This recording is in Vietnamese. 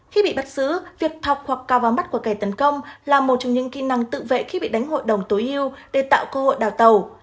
khi bị bắt giữ việc học hoặc ca vào mắt của kẻ tấn công là một trong những kỹ năng tự vệ khi bị đánh hội đồng tối yêu để tạo cơ hội đào tàu